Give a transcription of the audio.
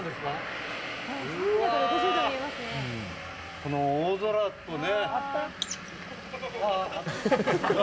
この大空とね。